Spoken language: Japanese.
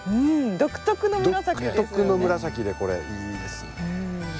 独特の紫でこれいいですね。